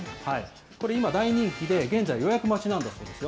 これ、今、大人気で、現在、予約待ちなんだそうですよ。